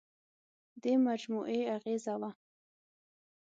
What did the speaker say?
دې مجموعې اغېزه وه.